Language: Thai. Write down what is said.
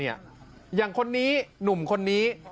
อย่างคนนี้หนุ่มคนนี้